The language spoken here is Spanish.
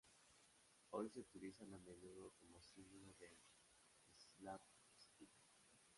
Hoy se utilizan a menudo como símbolo del "slapstick".